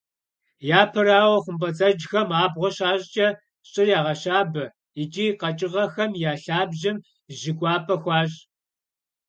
Япэрауэ, хъумпӏэцӏэджхэм абгъуэ щащӏкӏэ, щӏыр ягъэщабэ, икӏи къэкӏыгъэхэм я лъабжьэм жьы кӏуапӏэ хуащӏ.